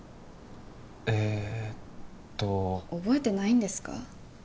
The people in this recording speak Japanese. えっと覚えてないんですか？